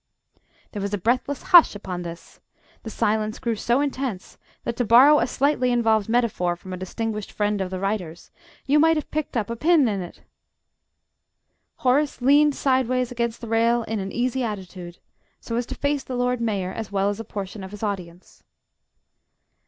There was a breathless hush upon this; the silence grew so intense that to borrow a slightly involved metaphor from a distinguished friend of the writer's, you might have picked up a pin in it! Horace leaned sideways against the rail in an easy attitude, so as to face the Lord Mayor, as well as a portion of his audience.